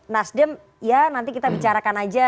nasdem ya nanti kita bicarakan aja